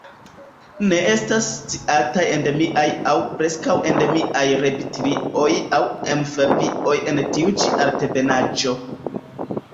Ne estas sciataj endemiaj aŭ preskaŭ endemiaj reptilioj aŭ amfibioj en tiu ĉi altebenaĵo.